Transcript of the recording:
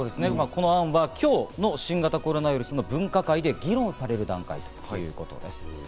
この案は今日の新型コロナウイルスの分科会で議論されるということです。